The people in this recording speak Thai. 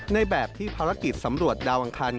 ในแบบที่ภารกิจสำรวจดาวอังคาร